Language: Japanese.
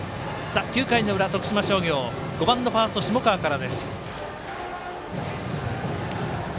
９回の裏、徳島商業５番のファースト、下川からです。